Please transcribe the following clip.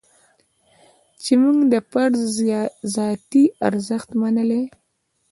چې موږ د فرد ذاتي ارزښت منلی.